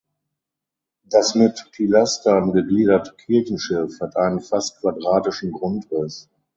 Das mit Pilastern gegliederte Kirchenschiff hat einen fast quadratischen Grundriss.